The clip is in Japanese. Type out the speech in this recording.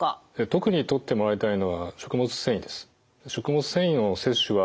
特にとってもらいたいのは食物繊維です。